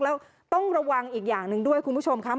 แล้วต้องระวังอีกอย่างหนึ่งด้วยคุณผู้ชมครับ